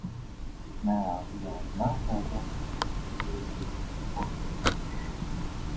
Nada había más allá en sus vidas que esas organizaciones.